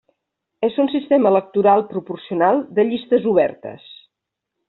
És un sistema electoral proporcional de llistes obertes.